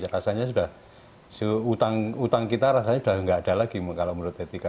rasanya sudah utang kita rasanya sudah tidak ada lagi kalau menurut etika